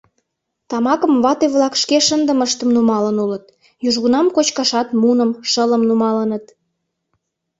Тамакым вате-влак шке шындымыштым нумалын улыт; южгунам кочкашат муным, шылым нумалыныт.